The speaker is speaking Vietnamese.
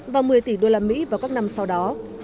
và một mươi tỷ usd vào các năm sau đó